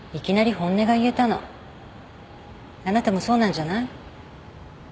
あなたもそうなんじゃない？